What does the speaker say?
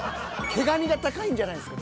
毛蟹が高いんじゃないんですか？